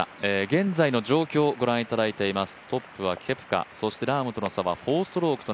現在の状況をご覧いただいています。